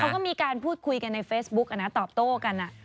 เขาก็มีการพูดคุยกันในเฟซบุ๊กตอบโต้กัน